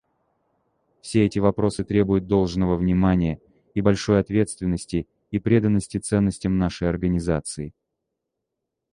Все эти вопросы требуют должного внимания и большой ответственности и преданности ценностям нашей Организации.